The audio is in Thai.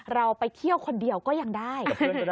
เราไปเที่ยวคนเดียวก็ยังได้